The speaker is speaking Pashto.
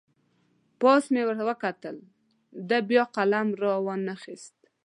پاس مې ور وکتل، ده بیا قلم را نه واخست.